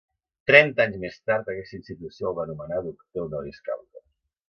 Trenta anys més tard aquesta institució el va nomenar doctor honoris causa.